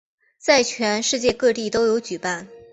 在全世界各地都有举办。